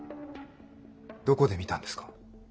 どこで見たんですか？